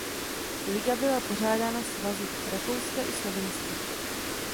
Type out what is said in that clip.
Liga byla pořádána svazy Rakouska i Slovinska.